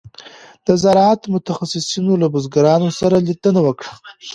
د زراعت متخصصینو له بزګرانو سره لیدنه وکړه.